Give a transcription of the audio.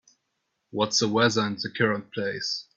What's the weather in the current place?